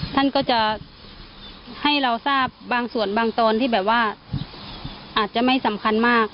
ท่านก็จะให้เราทราบบางส่วนบางตอนที่แบบว่าอาจจะไม่สำคัญมาก